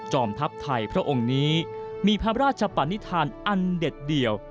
ทัพไทยพระองค์นี้มีพระราชปณิธานอันเด็ดเดี่ยว